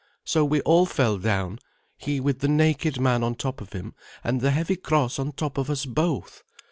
So we all fell down, he with the naked man on top of him, and the heavy cross on top of us both.